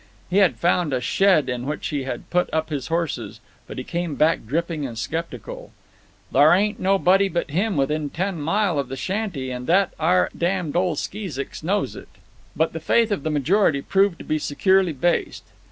He had found a shed in which he had put up his horses, but he came back dripping and skeptical. "Thar ain't nobody but him within ten mile of the shanty, and that 'ar damned old skeesicks knows it." But the faith of the majority proved to be securely based.